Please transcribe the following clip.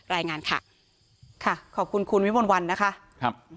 รายงานค่ะค่ะขอบคุณคุณวิมวลวันนะคะครับ